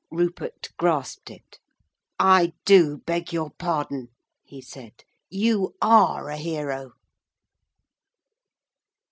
Rupert grasped it. 'I do beg your pardon,' he said, 'you are a hero!'